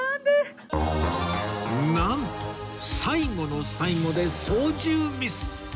なんと最後の最後で操縦ミス！